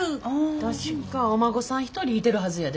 確かお孫さん１人いてるはずやで。